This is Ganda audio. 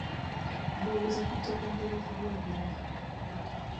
Ndowooza tujja kwongera okubyogerako.